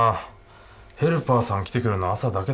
ヘルパーさん来てくれるの朝だけだしな。